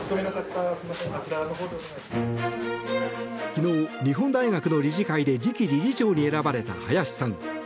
昨日、日本大学の理事会で次期理事長に選ばれた林さん。